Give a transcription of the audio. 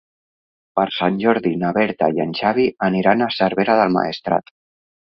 Per Sant Jordi na Berta i en Xavi aniran a Cervera del Maestrat.